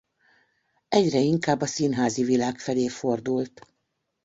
Egyre inkább a színházi világ felé fordult.